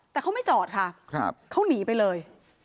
แต่เขาไม่จอดค่ะเขาหนีไปเลย